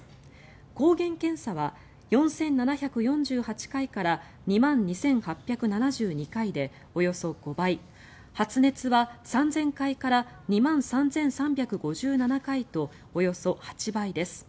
「抗原検査」は４７４８回から２万２８７２回でおよそ５倍「発熱」は３０００回から２万３３５７回とおよそ８倍です。